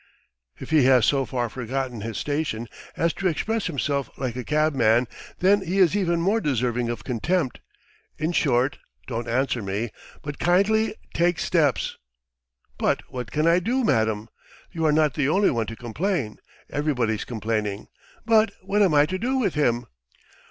"If he has so far forgotten his station as to express himself like a cabman, then he is even more deserving of contempt! In short, don't answer me, but kindly take steps!" "But what can I do, madam? You are not the only one to complain, everybody's complaining, but what am I to do with him?